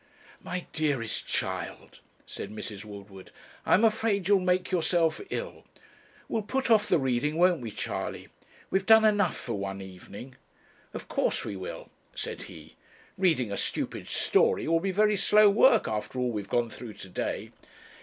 'My dearest child,' said Mrs. Woodward, 'I'm afraid you'll make yourself ill. We'll put off the reading, won't we, Charley? We have done enough for one evening.' 'Of course we will,' said he. 'Reading a stupid story will be very slow work after all we've gone through to day.'